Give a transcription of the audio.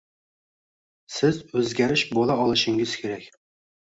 Siz o’zgarish bo’la olishingiz kerak